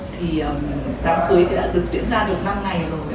thì đám cưới đã được diễn ra được năm ngày rồi